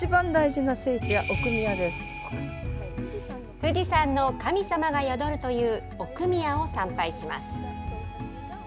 富士山の神様が宿るという奥宮を参拝します。